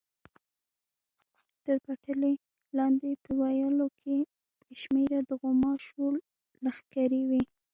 تر پټلۍ لاندې په ویالو کې بې شمېره د غوماشو لښکرې وې.